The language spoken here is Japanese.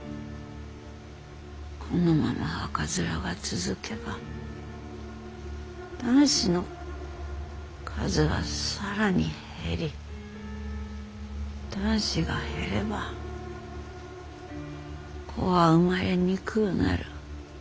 このまま赤面が続けば男子の数が更に減り男子が減れば子は生まれにくうなる。